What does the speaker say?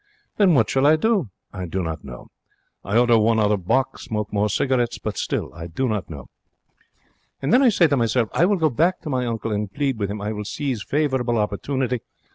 Then what shall I do? I do not know. I order one other bock, and smoke more cigarettes, but still I do not know. And then I say to myself, 'I will go back to my uncle, and plead with him. I will seize favourable opportunity.